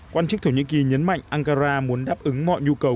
quan chức thổ nhĩ kỳ nhấn mạnh ankara muốn đáp ứng mọi nhu cầu